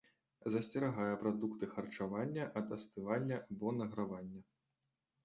Засцерагае прадукты харчавання ад астывання або награвання.